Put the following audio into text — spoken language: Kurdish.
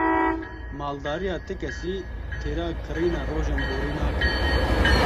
Maldariya ti kesî têra kirîna rojên borî nake.